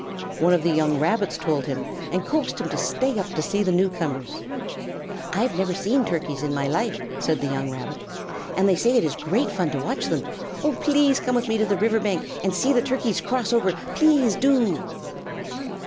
One of the young Rabbits told him, and coaxed him to stay up to see the newcomers. "I've never seen Turkeys in my life," said the young Rabbit, "and they say it is great fun to watch them. Oh, please come with me to the river bank and see the Turkeys cross over. Please do!"